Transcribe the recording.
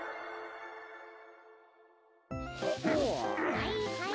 はいはい。